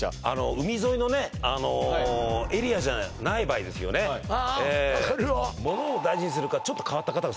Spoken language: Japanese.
海沿いのエリアじゃない場合ですよねああ分かるよ